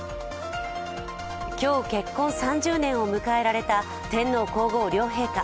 今日、結婚３０年を迎えられた天皇皇后両陛下。